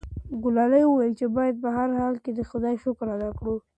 ګلالۍ وویل چې باید په هر حال کې د خدای شکر ادا کړو.